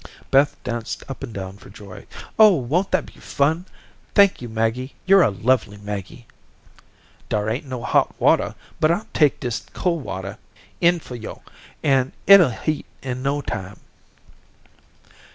Beth danced up and down for joy. "Oh, won't that be fun. Thank you, Maggie. You're a lovely Maggie." "Dar ain't no hot watah, but I'll take dis cold watah in fur yo', an' it'll heat in no time."